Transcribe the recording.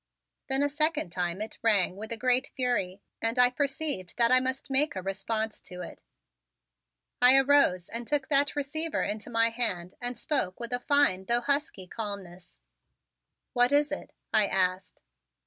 Then a second time it rang with a great fury and I perceived that I must make a response to it. I arose and took that receiver into my hand and spoke with a fine though husky calmness. "What is it?" I asked.